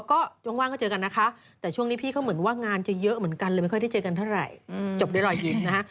เขาบอกว่าก็ว่างก็เจอกันนะคะ